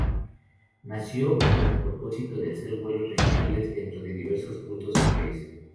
Nació con el propósito de hacer vuelos regionales dentro de diversos puntos del país.